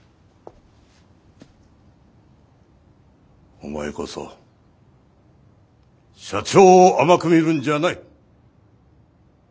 お前こそ社長を甘く見るんじゃない。